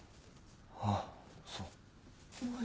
ああそう。